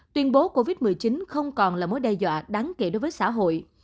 tuyên bố covid một mươi chín không còn là mối đe dọa đáng kể đối với xã hội